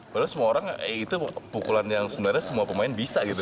padahal semua orang itu pukulan yang sebenarnya semua pemain bisa gitu